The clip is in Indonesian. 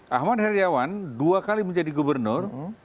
ahmad heriawan dua kali menjadi gubernur